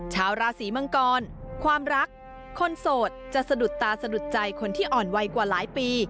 ชาวราศีมังกรความรักคนโสดจะสะดุดตาสะดุดใจคนที่อ่อนไวกว่าหลายปี